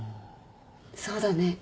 そうだね。